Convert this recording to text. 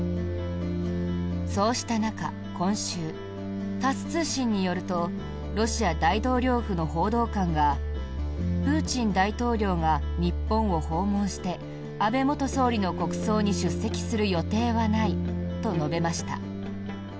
そうした中今週、タス通信によるとロシア大統領府の報道官がプーチン大統領が日本を訪問して安倍元総理の国葬に出席する予定はないと述べました。